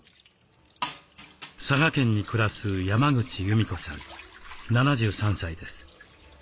佐賀県に暮らす山口由美子さん７３歳です。